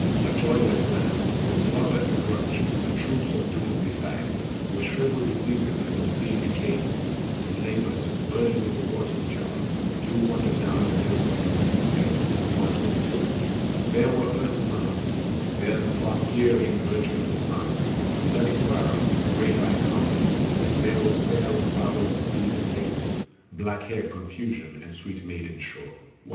A joyless land, Where Slaughter and Grudge, and troops of Dooms besides, Where shriveled Diseases and obscene Decays, And Labors, burdened with the water jars, Do wander down the dismal meads of Bane. 122. There was Earth mother, There the far peering Virgin of the Sun, And bloody Quarrel and grave eyed Harmony, And there was Fair and Foul and Speed and Late, Black haired Confusion and sweet maiden Sure. 123.